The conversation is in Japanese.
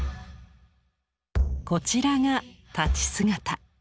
こちらが立ち姿